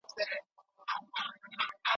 هغه افسانې چي علمي بنسټ نلري باید رد سي.